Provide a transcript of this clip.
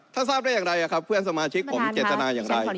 ถ้าทราบได้อย่างไรครับเพื่อนสมาชิกผมเจตนาอย่างไร